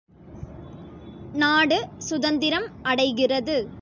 நாடு சுதந்திரம் அடைகிறது.